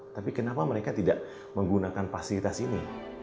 tapi kenapa mereka tidak menggunakan fasilitas ini